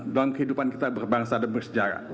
dalam kehidupan kita berbangsa dan bersejarah